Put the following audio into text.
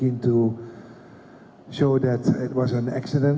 untuk memberi tindakan kejadian